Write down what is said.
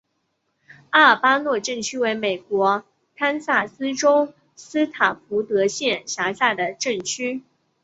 阿尔巴诺镇区为美国堪萨斯州斯塔福德县辖下的镇区。